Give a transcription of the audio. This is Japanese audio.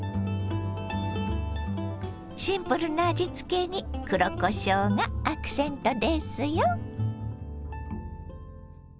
シンプルな味つけに黒こしょうがアクセントですよ。